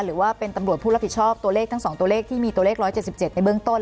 หรือว่าเป็นตำรวจผู้รับผิดชอบตัวเลขทั้ง๒ตัวเลขที่มีตัวเลข๑๗๗ในเบื้องต้น